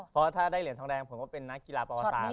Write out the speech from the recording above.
เพราะถ้าได้เหรียญทองแดงผมก็เป็นนักกีฬาประวัติศาสต